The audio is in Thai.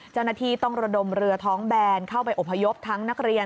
เจ้าหน้าที่ต้องระดมเรือท้องแบนเข้าไปอบพยพทั้งนักเรียน